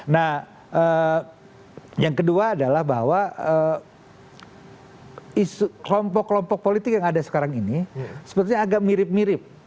nah yang kedua adalah bahwa isu kelompok kelompok politik yang ada sekarang ini sebetulnya agak mirip mirip